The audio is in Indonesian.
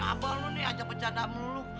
abah lu nih ajak bercanda mulu